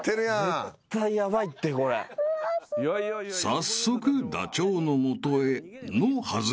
［早速ダチョウの元へのはずが］